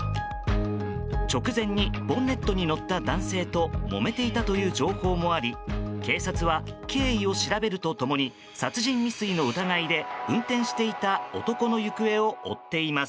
直前にボンネットに乗った男性ともめていたという情報もあり警察は、経緯を調べるとともに殺人未遂の疑いで運転していた男の行方を追っています。